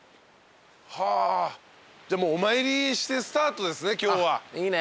はぁじゃあお参りしてスタートですね今日は。いいね。